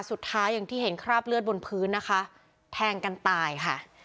อย่างที่เห็นคราบเลือดบนพื้นนะคะแทงกันตายค่ะ